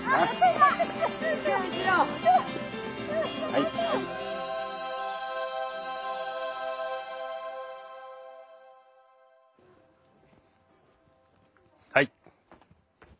はい。